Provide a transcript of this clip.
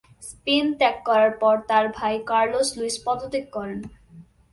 Spain ত্যাগ করার পর তার ভাই কার্লোস লুইস পদত্যাগ করেন।